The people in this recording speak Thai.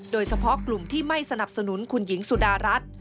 โดยเฉพาะกลุ่มที่ไม่สนับสนุนคุณหญิงสุดารัฐ